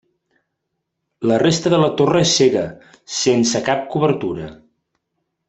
La resta de la torre és cega, sense cap obertura.